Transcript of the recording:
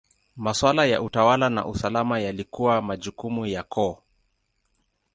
Maswala ya utawala na usalama yalikuwa majukumu ya koo.